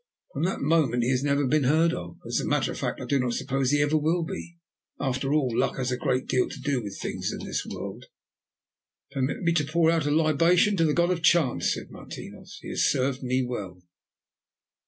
From that moment he has never been heard of, and as a matter of fact I do not suppose he ever will be. After all, luck has a great deal to do with things in this world." "Permit me to pour out a libation to the God of Chance," said Martinos. "He has served me well."